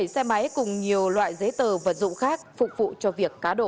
một mươi một một mươi bảy xe máy cùng nhiều loại giấy tờ và dụng khác phục vụ cho việc cá đổ